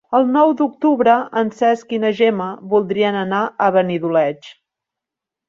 El nou d'octubre en Cesc i na Gemma voldrien anar a Benidoleig.